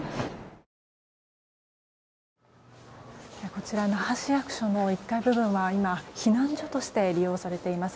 こちら、那覇市役所の１階部分は避難所として利用されています。